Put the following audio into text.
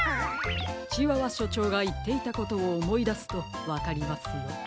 チワワしょちょうがいっていたことをおもいだすとわかりますよ。